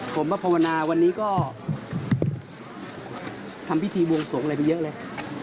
ผมมาภาวนาวันนี้ก็ทำพิธีบวงสวงอะไรไปเยอะเลย